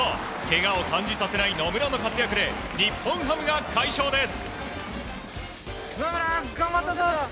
けがを感じさせない野村の活躍で日本ハムが快勝です。